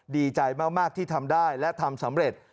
ดีใจมากที่ทำได้และทำสำเร็จ